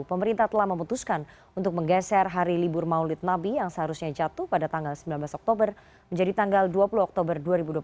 pemerintah telah memutuskan untuk menggeser hari libur maulid nabi yang seharusnya jatuh pada tanggal sembilan belas oktober menjadi tanggal dua puluh oktober dua ribu dua puluh satu